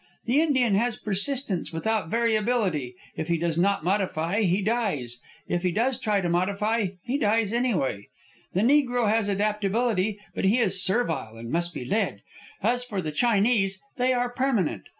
The Indian has persistence without variability; if he does not modify he dies, if he does try to modify he dies anyway. The Negro has adaptability, but he is servile and must be led. As for the Chinese, they are permanent.